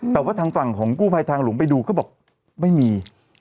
แต่ว่าทางฝั่งของกู้ภัยทางหลวงไปดูก็บอกไม่มี